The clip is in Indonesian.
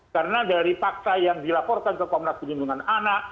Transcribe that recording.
karena dari fakta yang dilaporkan ke komnas penindungan anak